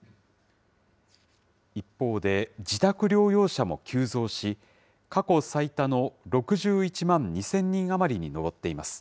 一方で、自宅療養者も急増し、過去最多の６１万２０００人余りに上っています。